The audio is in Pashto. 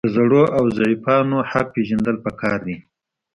د زړو او ضعیفانو حق پیژندل پکار دي.